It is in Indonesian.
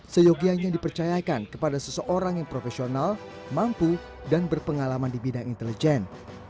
seyogianya dipercayakan kepada seseorang yang profesional mampu dan berpengalaman di bidang intelijen